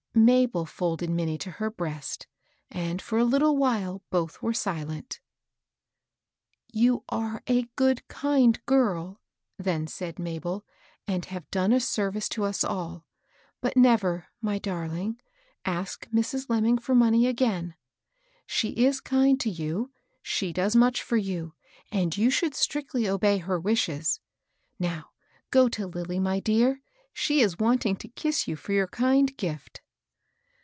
Mabel folded Minnie to her breast; and, for a little while, both were silent. " You are a kind, good girl," then said Mabel, " and have done a service to us all. But never, my darling, ask Mrs. Lemming for money again. She is kind to you, — she does much for you, and you should strictly obey her wishes. Now go to Lilly, my dear. She is wanting to kiss you for your kind gift."